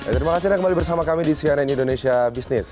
terima kasih anda kembali bersama kami di cnn indonesia business